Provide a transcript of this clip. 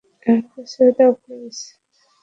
আমাকে ছেড়ে দেও, প্লিজ!